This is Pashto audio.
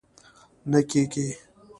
نه کېږي!